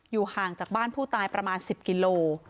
ห่างจากบ้านผู้ตายประมาณ๑๐กิโล